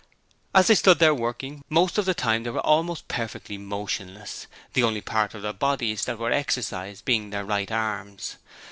As they stood there working most of the time they were almost perfectly motionless, the only part of their bodies that were exercised being their right arms.